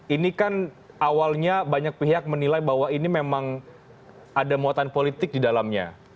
ini kan awalnya banyak pihak menilai bahwa ini memang ada muatan politik di dalamnya